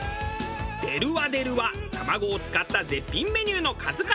出るわ出るわ卵を使った絶品メニューの数々。